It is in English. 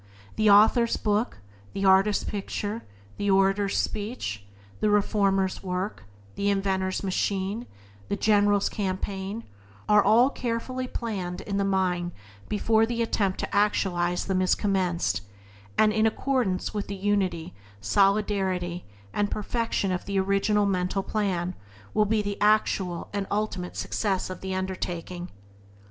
The author's book, the artist's picture, the orator's speech, the reformer's work, the inventor's machine, the general's campaign, are all carefully planned in the mind before the attempt to actualize them is commenced; and in accordance with the Byways to Blessedness by James Allen 7 unity, solidarity, and perfection of the original mental plan will be the actual and ultimate success of the undertaking.